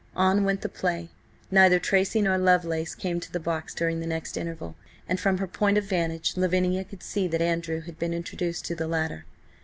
On went the play. Neither Tracy nor Lovelace came to the box during the next interval, and from her point of vantage Lavinia could see that Andrew had been introduced to the latter.